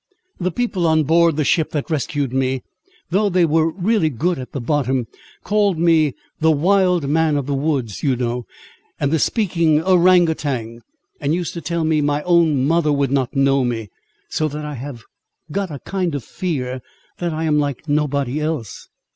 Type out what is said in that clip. The people on board the ship that rescued me, though they were really good at the bottom, called me the 'wild man of the woods,' you know, and the speaking 'ourang outang,' and used to tell me my own mother would not know me, so that I have got a kind of fear, that I am like nobody else."